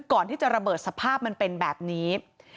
ก่อนที่จะระเบิดสภาพมันเป็นแบบนี้